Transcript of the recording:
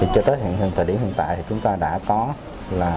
cho tới hiện thời điểm hiện tại thì chúng ta đã có là